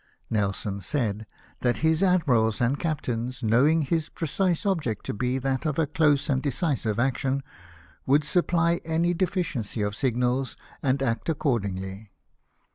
Nelson said, " That his admirals and cap tains, knowing his precise object to be that of a close and decisive action, would supply any deficiency of signals 304 LIFE OF NELSON. and act accordingly.